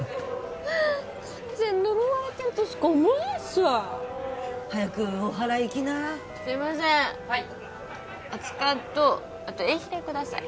完全呪われてるとしか思えんっすわ早くおはらい行きなすいませんはい熱かんとあとエイヒレください